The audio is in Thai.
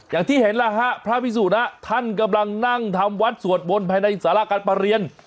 อย่างที่เห็นแล้วฮะพระพิสุนะท่านกำลังนั่งทำวัดสวดมนต์ภายในสาระการประเรียน